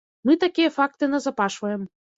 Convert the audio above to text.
Мы такія факты назапашваем.